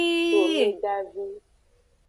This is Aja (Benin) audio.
Tomegavi.